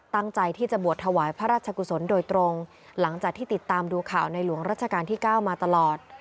ตั้งใจที่จะบวชถวายพระราชกุศลโดยตรงหลังจากที่ติดตามดูข่าวในหลวงรัชกาลที่๙มาตลอด